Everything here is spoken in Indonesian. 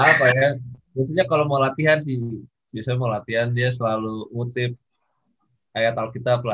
apa ya biasanya kalau mau latihan sih biasanya mau latihan dia selalu ngutip kayak alkitab lah